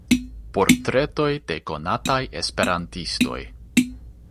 Portretoj de konataj Esperantistoj.